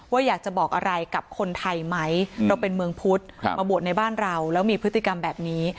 อยากจะบอกอะไรกับคนไทยไหมเราเป็นเมืองพุทธมาบวชในบ้านเราแล้วมีพฤติกรรมแบบนี้